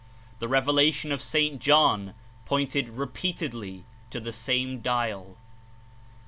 The Revel ation of St. John pointed repeatedly to the same dial.